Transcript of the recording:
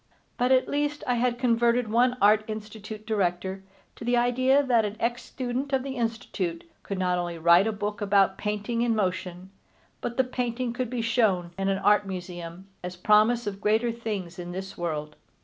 But at least I had converted one Art Institute Director to the idea that an ex student of the Institute could not only write a book about painting in motion, but the painting could be shown in an Art Museum as promise of greater things in this world.